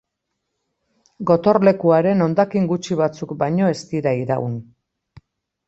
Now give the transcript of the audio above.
Gotorlekuaren hondakin gutxi batzuk baino ez dira iraun.